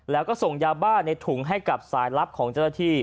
แล้วก็ส่งยาบ้าในถุงให้กับสายลับของเจ้าหน้าที่